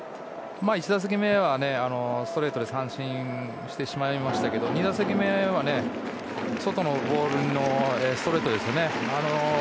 １打席目はストレートで三振してしまいましたけど２打席目は外のボール、ストレートですね。